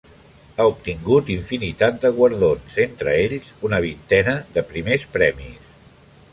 Ha obtingut infinitat de guardons entre ells una vintena de primers premis.